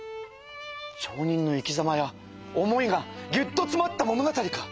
町人の生きざまや思いがギュッとつまった物語か！